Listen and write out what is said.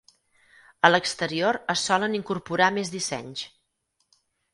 A l'exterior es solen incorporar més dissenys.